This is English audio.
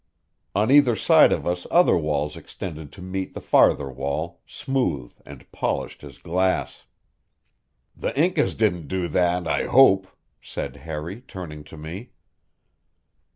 On either side of us other walls extended to meet the farther wall, smooth and polished as glass. "The Incas didn't do that, I hope," said Harry, turning to me.